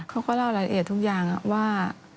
เขาก็เล่ารายละเอียดทุกอย่างว่า